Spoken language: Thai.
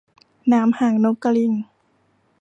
หนามหางนกกะลิง